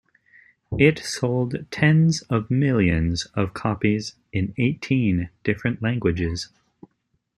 It sold tens of millions of copies in eighteen different languages.